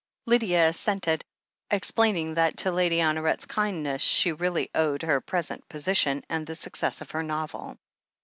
Lydia assented, explaining that to Lady Honoret's kindness she really owed her present position, and the success of her novel.